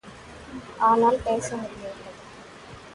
ஆனால், பேச முடியவில்லை.